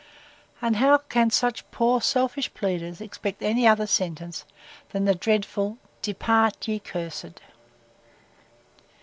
And how can such poor selfish pleaders expect any other sentence, than the dreadful, Depart, ye cursed!